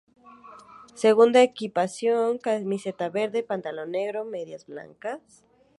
Segunda equipación: Camiseta Verde, Pantalón Negro, Medias Blancas